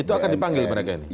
itu akan dipanggil mereka ini